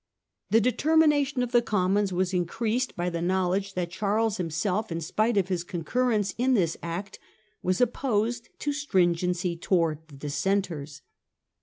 The determination of the Commons was increased by the knowledge that Charles himself, in spite of his con i 662. The Act of Uniformity. 97 currence in this Act, was opposed to stringency towards the Dissenters.